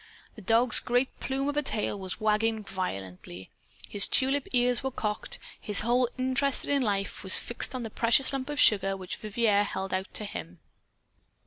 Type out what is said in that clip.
The dog's great plume of a tail was wagging violently. His tulip ears were cocked. His whole interest in life was fixed on the precious lump of sugar which Vivier held out to him.